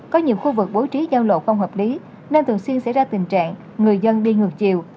có nhiều khu vực bố trí giao lộ không hợp lý nên thường xuyên xảy ra tình trạng người dân đi ngược chiều